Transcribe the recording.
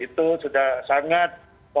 itu sudah sangat